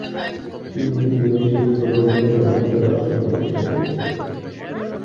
তিনটি দেশ এই প্রকল্পে সদস্য রাষ্ট্র প্রতিষ্ঠা করছে।